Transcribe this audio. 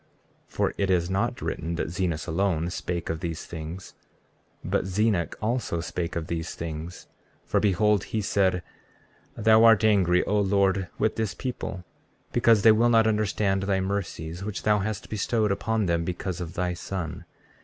33:15 For it is not written that Zenos alone spake of these things, but Zenock also spake of these things— 33:16 For behold, he said: Thou art angry, O Lord, with this people, because they will not understand thy mercies which thou hast bestowed upon them because of thy Son.